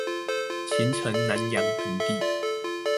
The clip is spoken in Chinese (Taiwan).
形成南陽盆地